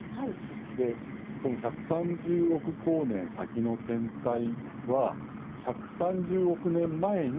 でその１３０億光年先の天体は１３０億年前に出た光。え？